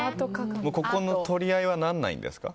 ここの取り合いにはならないんですか？